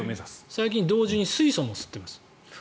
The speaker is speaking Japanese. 最近同時に水素も吸ってます。